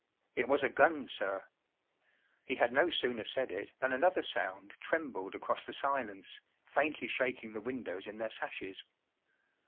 “ It was a gun, sir.” He had no sooner said it than another sound trembled across the silence, faintly shaking the windows in their sashes.